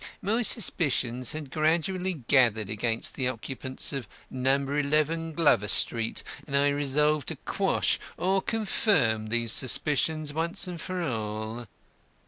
My suspicions had gradually gathered against the occupants of No. 11 Glover Street, and I resolved to quash or confirm these suspicions once for all."